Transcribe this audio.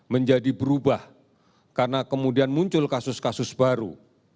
menjadi berubah karena kemudian muncul kasus kasus baru